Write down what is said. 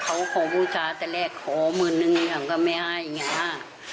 เขาขอบูชาแต่แรกขอหมื่นนึงอย่างก็ไม่ให้อย่างเงี้ห้า